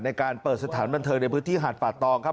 ในการเปิดสถานบันเทิงในพื้นที่หาดป่าตองครับ